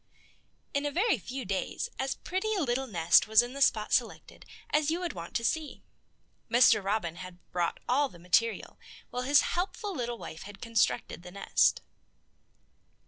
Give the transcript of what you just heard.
In a very few days as pretty a little nest was in the spot selected as you would want to see. Mr. Robin had brought all the material, while his helpful little wife had constructed the nest.